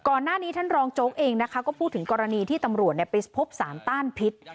ก่อนหน้านี้ท่านรองโจ๊กเองนะคะก็พูดถึงกรณีที่ตำรวจไปพบสารต้านพิษ